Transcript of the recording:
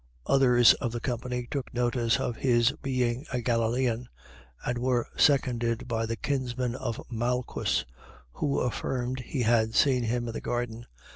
Others of the company took notice of his being a Galilean; and were seconded by the kinsman of Malchus, who affirmed he had seen him in the garden.